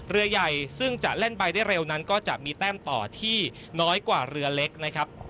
เรือใหญ่ซึ่งจะเล่นไปได้เร็วนั้นก็จะมีแต้มต่อที่น้อยกว่าเรือเล็กนะครับ